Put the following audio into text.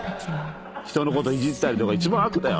人のこといじったりとか一番悪だよ。